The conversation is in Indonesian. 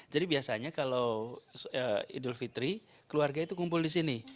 jadi biasanya kalau idul fitri keluarga itu kumpul di sini